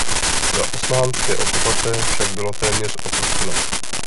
Za osmanské okupace však bylo téměř opuštěno.